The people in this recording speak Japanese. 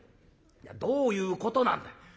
いやどういうことなんだ」。